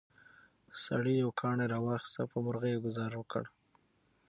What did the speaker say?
سړي یو کاڼی راواخیست او په مرغۍ یې ګوزار وکړ.